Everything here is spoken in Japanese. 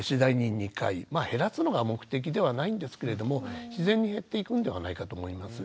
まあ減らすのが目的ではないんですけれども自然に減っていくんではないかと思います。